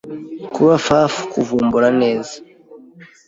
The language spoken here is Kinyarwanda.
kuba faff kuvumbura neza